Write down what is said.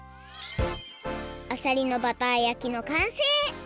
あさりのバター焼きのかんせい！